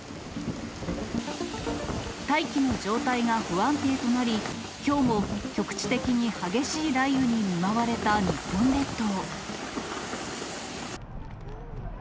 大気の状態が不安定となり、きょうも局地的に激しい雷雨に見舞われた日本列島。